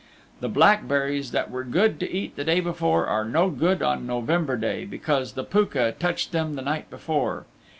The blackberries that were good to eat the day before are no good on November day, because the Pooka touched them the night before.